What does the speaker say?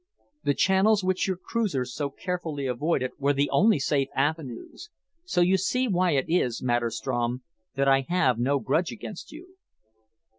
The channels which your cruisers so carefully avoided were the only safe avenues. So you see why it is, Maderstrom, that I have no grudge against you."